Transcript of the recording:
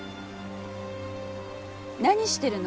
何してるの？